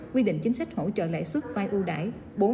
quy định chính sách hỗ trợ lại suốt vai ưu đải bốn bảy mươi chín